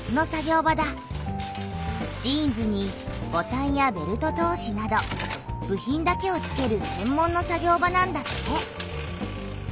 ジーンズにボタンやベルト通しなど部品だけをつける専門の作業場なんだって。